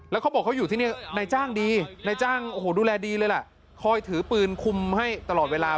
แล้วเขาบอกเขาอยู่ที่นี่นายจ้างดีนายจ้างโอ้โหดูแลดีเลยล่ะคอยถือปืนคุมให้ตลอดเวลา